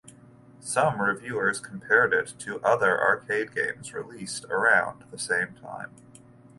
Some reviewers compared it to other arcade games released around the same time.